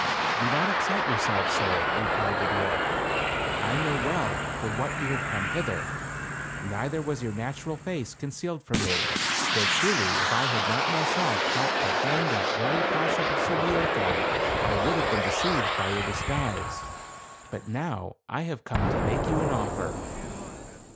" Do not excite yourself, sir," replied the dwarf. " I know well for what you have come hither; THE CARAVAN. 175 neither was your natural face concealed from me ; though truly, if I had not myself helped to hang that very Bashaw of Sulieika, I would have been deceived by your disguise. But now I have come to make you an offer."